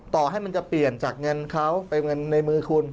ต่อให้มันจะเปลี่ยนจากเงินเขาเป็นเงินในมือคุณ